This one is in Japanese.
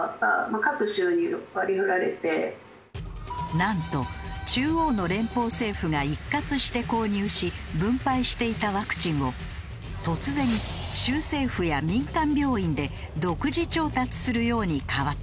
なんと中央の連邦政府が一括して購入し分配していたワクチンを突然州政府や民間病院で独自調達するように変わった。